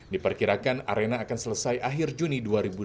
diperkirakan arena akan selesai akhir juni dua ribu delapan belas